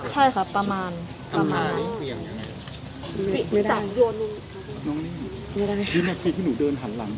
เหวี่ยงหลังจากนี้ไม่ได้ปล่อยลง